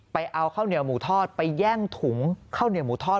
เอาข้าวเหนียวหมูทอดไปแย่งถุงข้าวเหนียวหมูทอด